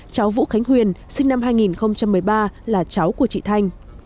cháu vũ khánh huyền sinh năm hai nghìn một mươi ba là cháu của chị thanh